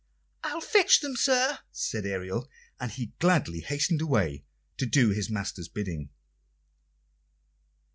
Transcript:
"I'll fetch them, sir," said Ariel; and he gladly hastened away to do his master's bidding.